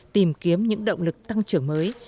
tìm kiếm những động lực tăng trưởng mới